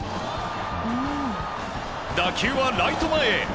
打球はライト前へ。